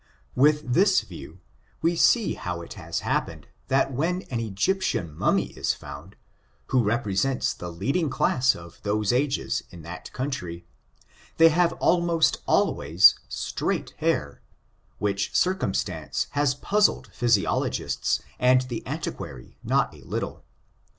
With this view, we see how it has happened that when an Egyptian mummy is found, who represents the leading class of those ages in that country, they have almost always straight hair, which circumstance has puzzled physiologists and the antiquary not a little.